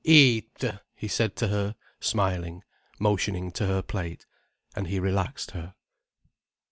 "Eat!" he said to her, smiling, motioning to her plate. And he relaxed her.